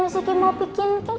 mas kiki mau bikin cake sendiri